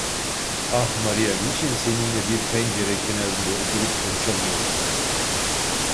Ah Maria, niçin seninle bir pencere kenarında oturup konuşamıyoruz?